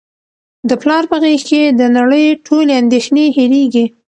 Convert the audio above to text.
د پلار په غیږ کي د نړۍ ټولې اندېښنې هیرېږي.